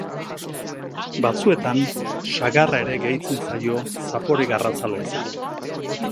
Batzuetan, sagarra ere gehitzen zaio zapore garratza lortzeko.